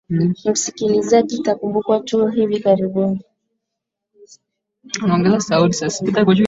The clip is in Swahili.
msikilizaji itakumbukwa tu hivi karibuni